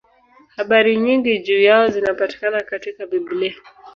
Habari nyingi juu yao zinapatikana katika Biblia.